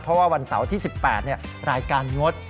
เพราะว่าวันเสาร์ที่๑๘รายการงด